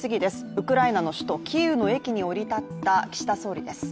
ウクライナの首都、キーウの駅に降り立った岸田総理です。